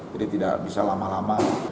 jadi tidak bisa lama lama